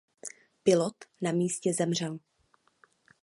Pilot na místě zemřel.